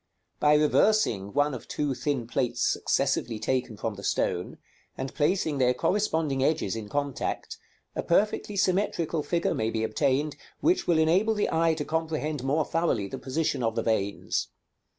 By reversing one of two thin plates successively taken from the stone, and placing their corresponding edges in contact, a perfectly symmetrical figure may be obtained, which will enable the eye to comprehend more thoroughly the position of the veins.